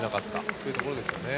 そういうところですね。